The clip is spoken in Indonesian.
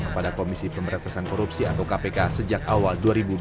kepala komisi pemberatasan korupsi atau kpk sejak awal dua ribu dua puluh dua